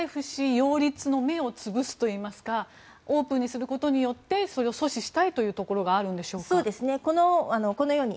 氏擁立の芽を潰すといいますかオープンにすることによってそれを阻止したいということがあるんでしょうか。